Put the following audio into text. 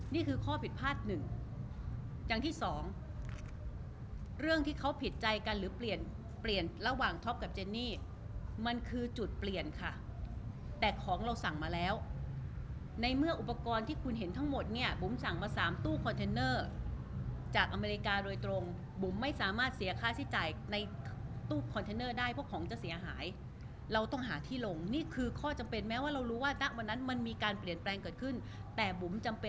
นี่คือข้อผิดพลาดหนึ่งอย่างที่สองเรื่องที่เขาผิดใจกันหรือเปลี่ยนเปลี่ยนระหว่างท็อปกับเจนี่มันคือจุดเปลี่ยนค่ะแต่ของเราสั่งมาแล้วในเมื่ออุปกรณ์ที่คุณเห็นทั้งหมดเนี่ยบุ๋มสั่งมา๓ตู้คอนเทนเนอร์จากอเมริกาโดยตรงบุ๋มไม่สามารถเสียค่าใช้จ่ายในตู้คอนเทนเนอร์ได้เพราะของจะเสียหายเราต